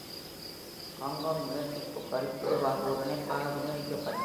Hong Kong நீட்டிப்புகள் பொதுவாக ஒரு இணைப்பாக விநியோகிக்கப்பட்டன.